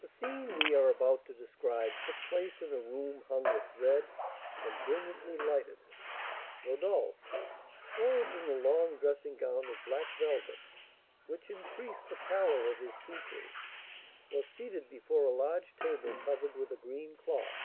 The scene we are about to describe took place in a room hung with red, and brilliantly lighted. Rodolph, clothed in a long dressing gown of black velvet, which increased the pallor of his features, was seated before a large table covered with a green cloth.